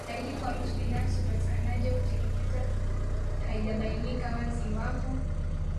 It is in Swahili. zaidi kwa mtu binafsi upatikanaji wa kutegemeka Haijabainika wazi iwapo